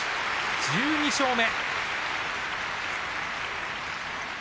１２勝目。